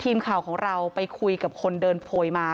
ความปลอดภัยของนายอภิรักษ์และครอบครัวด้วยซ้ำ